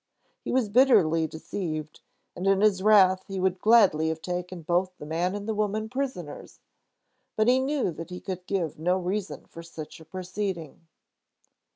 He was bitterly deceived, and in his wrath he would gladly have taken both the man and the woman prisoners, but he knew that he could give no reason for such a proceeding.